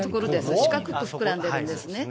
四角く膨らんでるんですね。